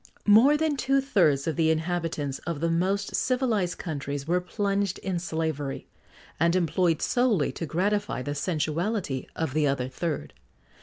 More than two thirds of the inhabitants of the most civilised countries were plunged in slavery, and employed solely to gratify the sensuality of the other third.